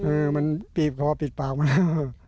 เออมันบีบคอบิดปากก็ได้